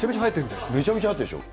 めちゃめちゃ入ってるでしょ。